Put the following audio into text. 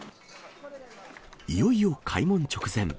いよいよ開門直前。